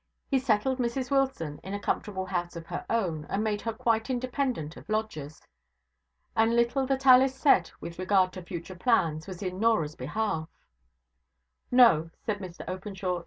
He settled Mrs Wilson in a comfortable house of her own, and made her quite independent of lodgers. The little that Alice said with regard to future plans was in Norah's behalf. 'No,' said Mr Openshaw.